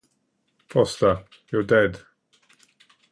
Foster, You're Dead!